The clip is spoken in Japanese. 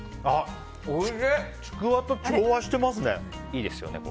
ちくわと調和してますね。